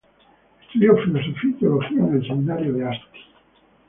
Estudió filosofía y teología en el seminario de Asti.